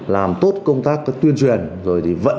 làm tốt công tác tuyên truyền tố giác tin báo về tội phạm